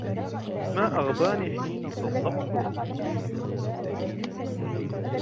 ما أغباني حين صدقته!